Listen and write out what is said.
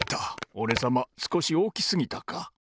おれさますこしおおきすぎたか。